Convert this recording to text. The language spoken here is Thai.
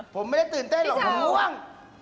ผมไม่ได้ตื่นเต้นหรอกผมง่วง